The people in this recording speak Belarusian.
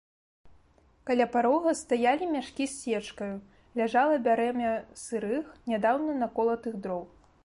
Каля парога стаялі мяшкі з сечкаю, ляжала бярэмя сырых, нядаўна наколатых дроў.